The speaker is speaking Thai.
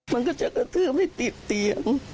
มันก็จะกระทืบไม่ติดเตียง